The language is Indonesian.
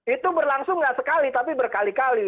itu berlangsung nggak sekali tapi berkali kali